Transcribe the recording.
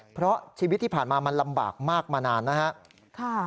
เพราะชีวิตที่ผ่านมามันลำบากมากมานานนะครับ